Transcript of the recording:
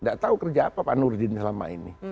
gak tahu kerja apa pak nurudin selama ini